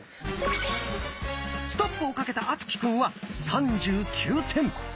ストップをかけた敦貴くんは３９点。